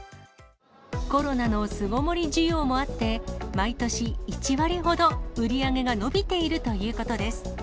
コロナの巣ごもり需要もあって、毎年１割ほど、売り上げが伸びているということです。